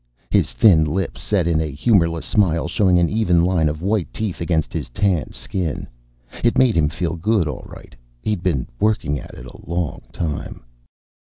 His thin lips set in a humorless smile, showing an even line of white teeth against his tanned skin. It made him feel good, all right. He'd been working at it a long time.